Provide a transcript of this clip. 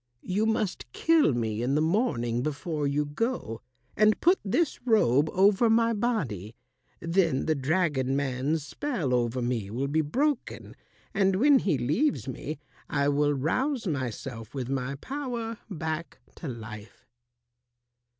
You must kill me in the morning before you go, and put this robe over my body. Then the dragon man's spell over me will be broken, and when he leaves me, I will rouse myself with my power back to life."